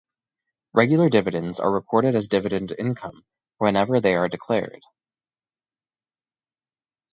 Regular dividends are recorded as dividend income whenever they are declared.